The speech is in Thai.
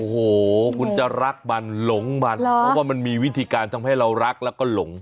โอ้โหคุณจะรักมันหลงมันเพราะว่ามันมีวิธีการทำให้เรารักแล้วก็หลง